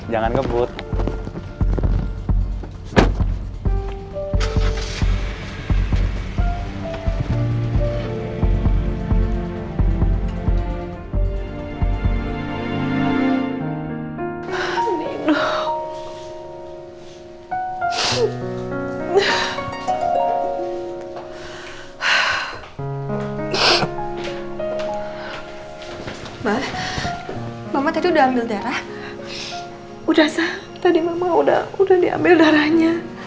ya udah aku pulang ya